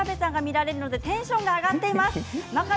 今日は朝から真壁さんが見られるのでテンションが上がっています。